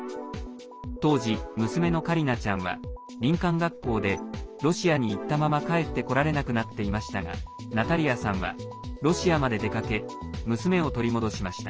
当時、娘のカリナちゃんは林間学校でロシアに行ったまま帰ってこられなくなっていましたがナタリアさんはロシアまで出かけ娘を取り戻しました。